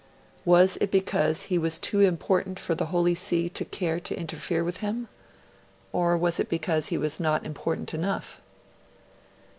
Was it because he was too important for the Holy See to care to interfere with him? Or was it because he was not important enough?